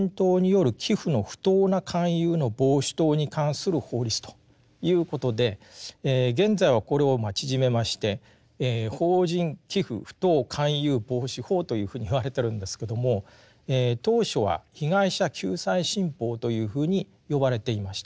この新法はですねということで現在はこれを縮めまして「法人寄附不当勧誘防止法」というふうに言われてるんですけども当初は「被害者救済新法」というふうに呼ばれていました。